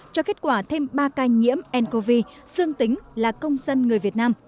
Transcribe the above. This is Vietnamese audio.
cho kết quả thêm ba ca nhiễm ncov xương tính là công dân người việt nam